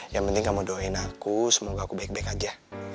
yang penting kamu doain aku semoga aku baik baik aja